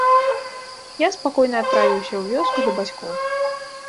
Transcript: Я спакойна адправіўся ў вёску да бацькоў.